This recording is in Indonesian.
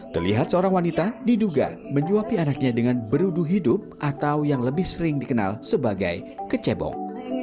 terlihat seorang wanita diduga menyuapi anaknya dengan berudu hidup atau yang lebih sering dikenal sebagai kecebong